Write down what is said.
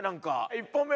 １本目